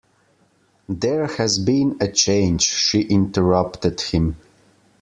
There has been a change, she interrupted him.